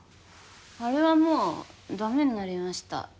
あれはもうだめになりました。